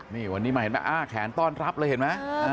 นี่วันนี้มาเห็นไหมอ้าแขนต้อนรับเลยเห็นไหม